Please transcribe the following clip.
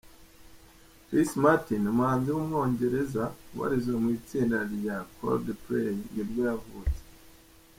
Chris Martin, umuhanzi w’umwongereza ubarizwa mu itsinda rya Coldplay nibwo yavutse.